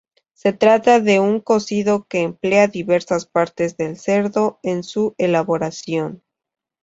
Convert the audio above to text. Se trata de un cocido que emplea diversas partes del cerdo en su elaboración.